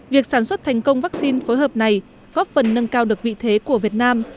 việc sản xuất thành công vaccine phối hợp này góp phần nâng cao được vị thế của việt nam